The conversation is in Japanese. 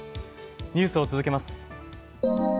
ニュースを続けます。